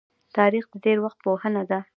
تاریخ د تیر وخت پوهنه ده